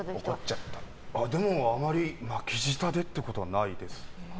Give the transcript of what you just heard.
でも、あまり巻き舌でってことはないです。